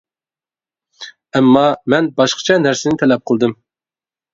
ئەمما مەن باشقىچە نەرسىنى تەلەپ قىلدىم.